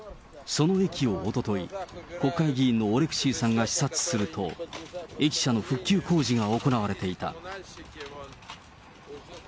その駅をおととい、国会議員のオレクシーさんが視察すると、駅舎の復旧工事が行われていた。